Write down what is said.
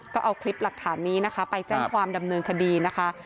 ก็เอาคลิปหลักฐานนี้นะคะไปแจ้งความดำเนินคดีนะคะ